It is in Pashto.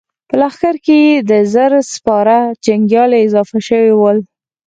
په لښکر کې يې زر سپاره جنګيالي اضافه شوي ول.